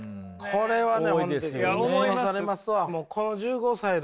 これはね。